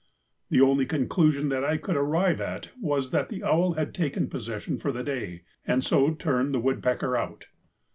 The only conclusion that I could arrive at was that the owl had taken possession for the day and so turned the woodpecker out.